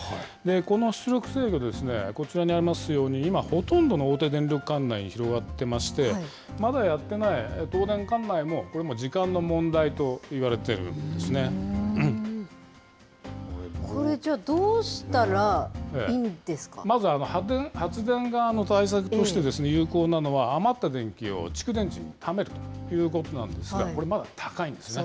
この出力制御ですね、こちらにありますように、今、ほとんどの大手電力管内に広がってまして、まだやってない東電管内も、これもこれじゃあ、まず、発電側の対策として有効なのは余った電気を蓄電池にためるということなんですが、これ、高いんですね。